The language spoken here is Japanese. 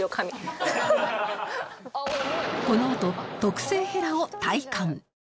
このあと特製ヘラを体感